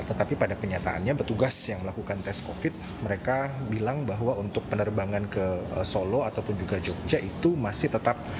tetapi pada kenyataannya petugas yang melakukan tes covid mereka bilang bahwa untuk penerbangan ke solo ataupun juga jogja itu masih tetap